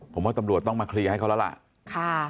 ผมว่าตำรวจต้องมาเคลียร์ให้เขาแล้วล่ะ